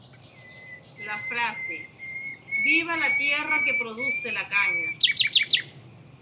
La frase "¡Viva la tierra que produce la caña!